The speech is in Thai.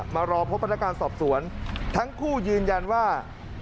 มารอพบพนักงานสอบสวนทั้งคู่ยืนยันว่า